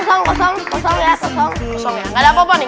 gak ada apa apa nih gak ada apa apa